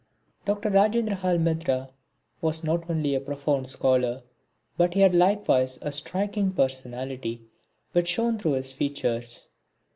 Dr. Rajendrahal Mitra was not only a profound scholar, but he had likewise a striking personality which shone through his features.